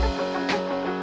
lo perhatian banget